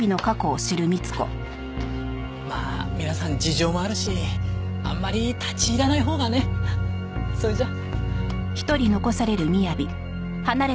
まあ皆さん事情もあるしあんまり立ち入らないほうがね。それじゃ。